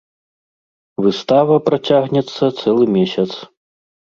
Выстава працягнецца цэлы месяц.